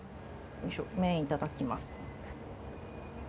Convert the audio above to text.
麺いただきます。